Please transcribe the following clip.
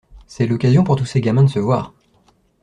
C’est l’occasion pour tous ces gamins de se voir.